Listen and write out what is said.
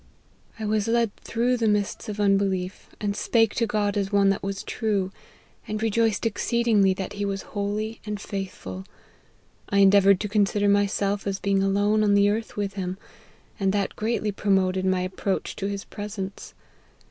I was led through the mists of unbelief, and spake to God as one that was true ; and rejoiced exceedingly that he was holy and faithful. I endeavoured to con sider myself as being alone on the earth with him, and that greatly promoted my approach to his pre sence.